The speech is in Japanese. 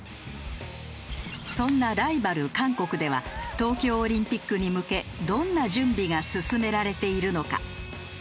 そんなライバル韓国では東京オリンピックに向けどんな準備が進められているのか。